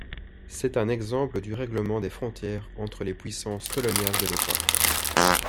C'est un exemple du règlement des frontières entre les puissances coloniales de l'époque.